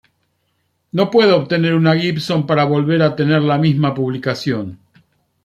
No puedo obtener una Gibson para volver a tener la misma publicación".